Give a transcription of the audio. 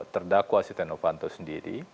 terdakwa stiano fanto sendiri